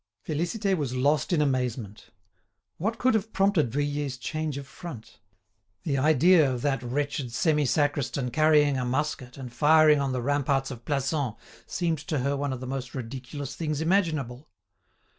Félicité was lost in amazement. What could have prompted Vuillet's change of front? The idea of that wretched semi sacristan carrying a musket and firing on the ramparts of Plassans seemed to her one of the most ridiculous things imaginable.